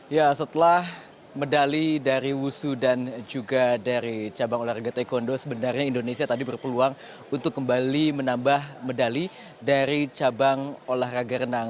ya setelah medali dari wushu dan juga dari cabang olahraga taekwondo sebenarnya indonesia tadi berpeluang untuk kembali menambah medali dari cabang olahraga renang